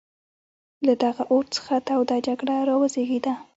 له دغه اور څخه توده جګړه را وزېږېده.